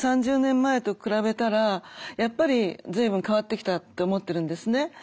３０年前と比べたらやっぱり随分変わってきたって思ってるんですね。